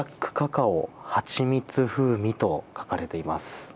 カカオ蜂蜜風味と書かれています。